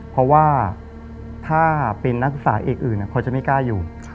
เพราะว่าถ้าเป็นนักศึกษาเอกอื่นเขาจะไม่กล้าอยู่